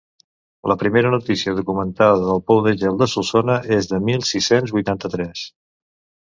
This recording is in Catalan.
La primera notícia documentada del pou de gel de Solsona és del mil sis-cents vuitanta-tres.